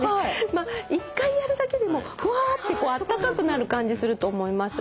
まあ一回やるだけでもふわってあったかくなる感じすると思います。